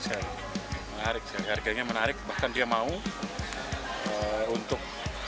menarik harganya menarik bahkan dia mau untuk